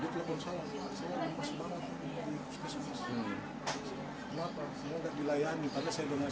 saya tidak bisa melayaninya karena saya tidak tahu